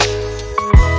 terima kasih ya allah